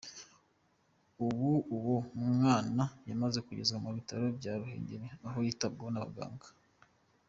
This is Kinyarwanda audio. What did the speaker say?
Ubu uwo mwana yamaze kugezwa mu bitaro bya Ruhengeri aho yitabwaho n’abaganga.